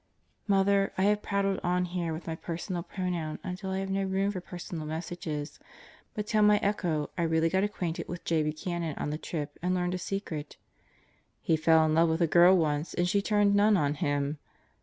... Mother, I have prattled on here with my personal pronoun until I have no room for personal messages, but tell my Echo I really got acquainted with J. Buchanan on the trip and learned a secret. He fell in love with a girl once and she turned nun on him.